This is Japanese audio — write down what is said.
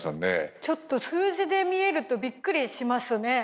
ちょっと数字で見えるとびっくりしますね。